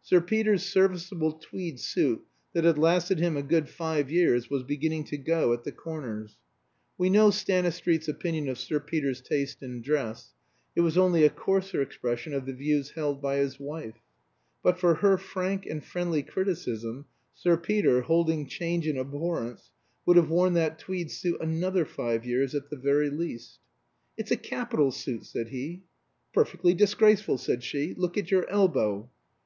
Sir Peter's serviceable tweed suit, that had lasted him a good five years, was beginning to go at the corners. We know Stanistreet's opinion of Sir Peter's taste in dress; it was only a coarser expression of the views held by his wife. But for her frank and friendly criticism, Sir Peter, holding change in abhorrence, would have worn that tweed suit another five years at the very least. "It's a capital suit," said he. "Perfectly disgraceful," said she. "Look at your elbow."